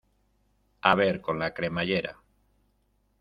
a ver con la cremallera.